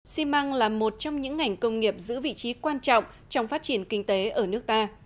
xi măng là một trong những ngành công nghiệp giữ vị trí quan trọng trong phát triển kinh tế ở nước ta